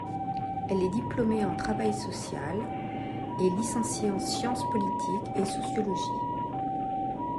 Elle est diplômé en travail social et licenciée en sciences politiques et sociologie.